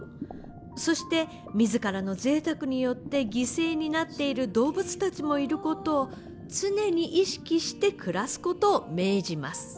そして自らのぜいたくによって犠牲になっている動物たちもいることを常に意識して暮らすことを命じます。